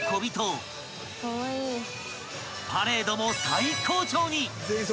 ［パレードも最高潮に！］